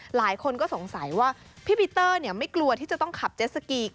หลายคนก็สงสัยว่าพี่ปีเตอร์ไม่กลัวที่จะต้องขับเจ็ดสกี